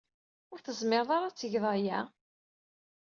Ur tezmired ara ad tged aya!